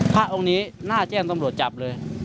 พระองค์นี้น่าแจ้งตำรวจจับเลย